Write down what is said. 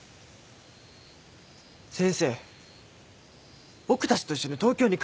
先生僕たちと一緒に東京に帰りましょう。